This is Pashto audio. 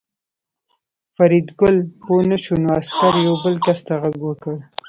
فریدګل پوه نه شو نو عسکر یو بل کس ته غږ وکړ